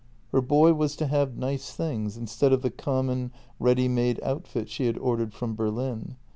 Her boy was to have nice things, instead of the common, ready made outfit she had ordered from Berlin.